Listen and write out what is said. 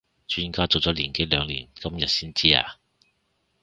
磚家做咗年幾兩年今日先知呀？